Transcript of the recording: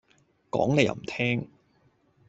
講你又唔聽